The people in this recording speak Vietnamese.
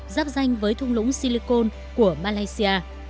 giáp danh với thung lũng silicon của malaysia